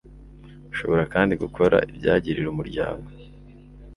Ushobora kandi gukora ibyagirira umuryango